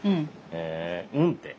へえ「うん」って。